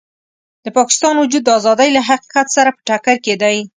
د پاکستان وجود د ازادۍ له حقیقت سره په ټکر کې دی.